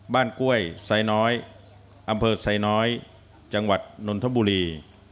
บ้านก้วยสายน้อยอำเภอสายน้อยจังหวัดนนทบุรี